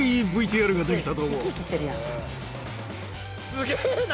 すげえな！